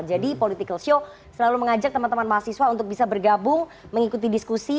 jadi political show selalu mengajak teman teman mahasiswa untuk bisa bergabung mengikuti diskusi